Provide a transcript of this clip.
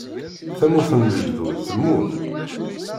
Tamurt n lejdud temmut?